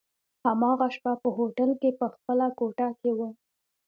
هماغه شپه په هوټل کي په خپله کوټه کي وو.